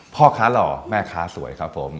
พ่อค้าหล่อแม่ค้าสวยครับผม